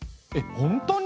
本当に！？